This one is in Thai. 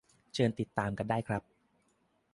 เชิญติดตามกันได้ครับ